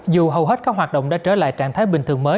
dù hầu hết các hoạt động đã trở lại trạng thái bình thường mới